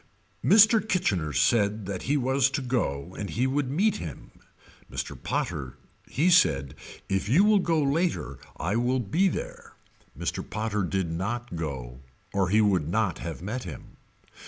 Mr. Kitchener said that he was to go and he would meet him. Mr. Potter he said if you will go later I will be there. Mr. Potter did not go or he would not have met him.